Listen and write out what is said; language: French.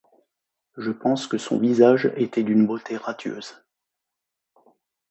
Je pense que son visage était d'une beauté radieuse.